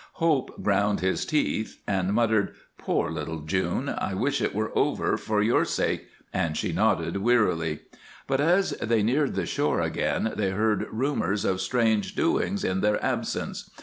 Hope ground his teeth, and muttered: "Poor little June! I wish it were over for your sake!" and she nodded wearily. But as they neared the shore again they heard rumors of strange doings in their absence.